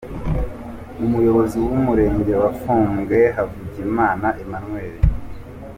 Umuyobozi w’umurenge wa Fumbwe Havugimana Emmanuel .